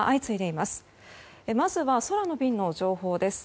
まずは空の便の情報です。